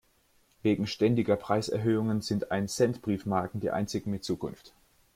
Wegen ständiger Preiserhöhungen sind Ein-Cent-Briefmarken die einzigen mit Zukunft.